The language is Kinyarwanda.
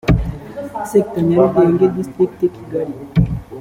sector nyarugenge district kigali